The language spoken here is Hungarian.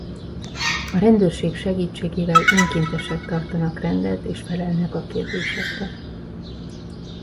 A rendőrség segítségével önkéntesek tartanak rendet és felelnek a kérdésekre.